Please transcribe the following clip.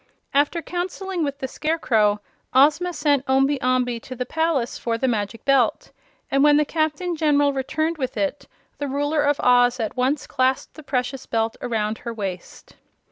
After counseling with the Scarecrow Ozma sent Omby Amby to the palace for the Magic Belt, and when the Captain General returned with it the Ruler of Oz at once clasped the precious Belt around her waist.